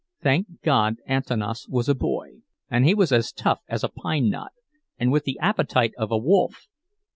Thank God, Antanas was a boy! And he was as tough as a pine knot, and with the appetite of a wolf.